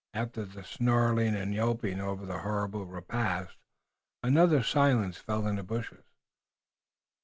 After the snarling and yelping over the horrible repast, another silence followed in the bushes.